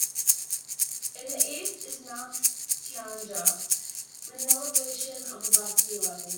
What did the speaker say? In the east is Mount Tianjara, with an elevation of above sea level.